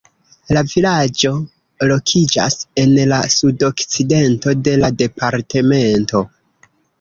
La vilaĝo lokiĝas en la sudokcidento de la departemento.